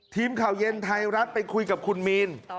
ทีมข่าวเย็นไทยรัฐไปคุยกับคุณมีน